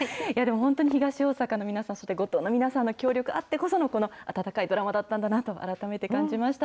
本当に東大阪の皆さん、そして五島の皆さんの協力あってこそのこの温かいドラマだったんだなと、改めて感じました。